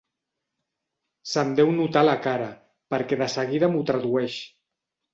Se'm deu notar a la cara, perquè de seguida m'ho tradueix.